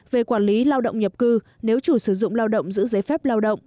về quản lý lao động nhập cư nếu chủ sử dụng lao động giữ giấy phép lao động